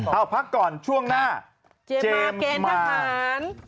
เอ้าพักก่อนช่วงหน้าเจมส์มาร์น